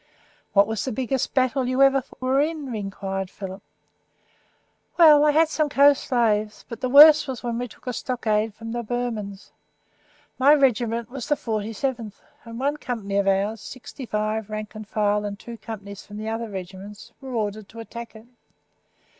"What was the biggest battle you ever were in?" enquired Philip. "Well, I had some close shaves, but the worst was when we took a stockade from the Burmans. My regiment was the 47th, and one company of ours, sixty five, rank and file, and two companies from other regiments were ordered to attack it.